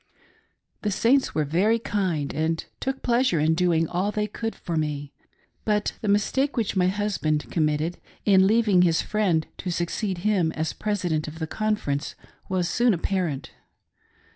The Saints were very kind, and took pleasure in doing dll they could for nie ; but the mistake which my husband com mitted in leaving his friend to succeed him as president of the conference was soon apparent.